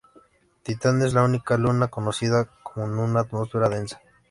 Titán es la única luna conocida con una atmósfera densa.